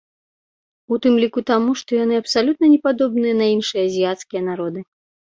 У тым ліку таму, што яны абсалютна не падобныя на іншыя азіяцкія народы.